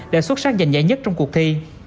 đã xuất sắc giành giải nhất trong cuộc thi